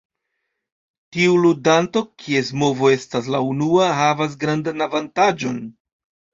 Tiu ludanto, kies movo estas la unua, havas grandan avantaĝon.